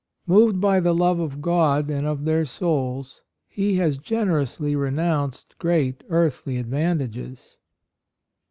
Moved by the love of God and of their souls, he has generously renounced great earthly advantages.